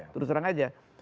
terus ulang aja